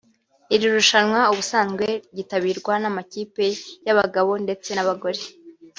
Iri rushanwa ubusanzwe ryitabirwa n’amakipe y’abagabo ndetse n’abagore